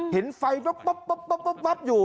เห็นไฟป๊อบอยู่